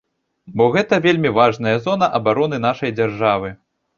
Бо гэта вельмі важная зона абароны нашай дзяржавы.